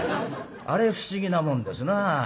あれ不思議なもんですな。